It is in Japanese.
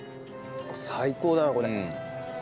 最高だなこれ。